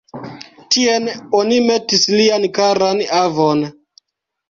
Tien oni metis lian karan avon.